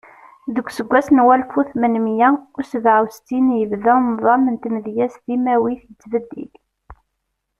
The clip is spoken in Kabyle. Deg useggas n walef u tmenmiya u sebɛa U settin, yebda nḍam n tmedyazt timawit yettbeddil.